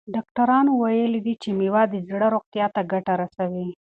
ډاکټرانو ویلي دي چې مېوه د زړه روغتیا ته ګټه رسوي.